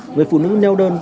người phụ nữ neo đơn